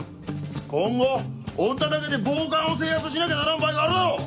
今後女だけで暴漢を制圧しなきゃならん場合があるだろう！